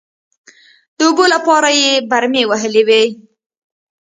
د اوبو لپاره يې برمې وهلې وې.